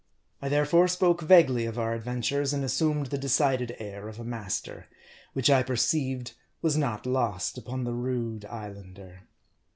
I therefore spoke vaguely of our adventures, and assumed the decided air of a master ; which I perceived was not lost upon the rude Islander.